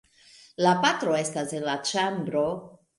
La patro estas en la ĉambro.